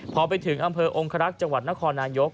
พอไปถึงอำเภอองครักษ์จังหวัดนครนายก